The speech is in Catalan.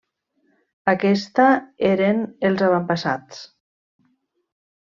Aquesta eren els avantpassats.